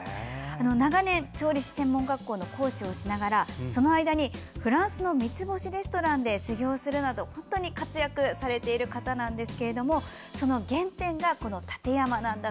長年、調理師専門学校の講師をしながらその間にフランスの三つ星レストランで修業するなど本当に活躍されている方なんですけどもその原点がこの館山なんだと。